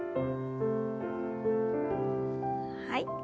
はい。